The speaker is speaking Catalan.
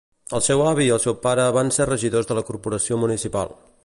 El seu avi i el seu pare van ser regidors de la corporació municipal.